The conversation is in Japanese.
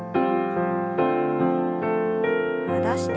戻して。